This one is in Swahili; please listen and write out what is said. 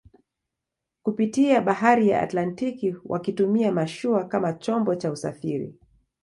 kupitia bahari ya Atlantiki wakitumia mashua kama chombo cha usafiri